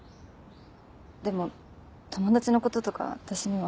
でも友達のこととか私には。